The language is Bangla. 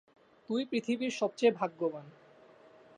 তুই পৃথিবীর সবচেয়ে ভাগ্যবান।